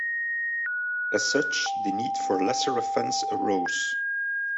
As such, the need for a lesser offense arose.